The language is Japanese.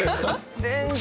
全然。